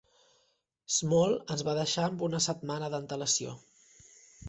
Small ens va deixar amb una setmana d'antelació.